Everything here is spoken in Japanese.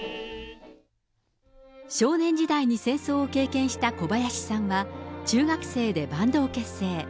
少年時代に戦争を経験した小林さんは、中学生でバンドを結成。